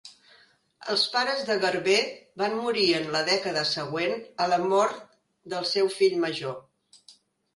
Els pares de Garber van morir en la dècada següent a la mort del seu fill major.